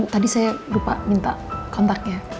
tadi saya lupa minta kontaknya